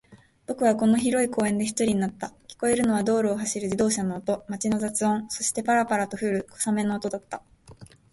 僕はこの広い公園で一人になった。聞こえるのは道路を走る自動車の音、街の雑音、そして、パラパラと降る小雨の音だった。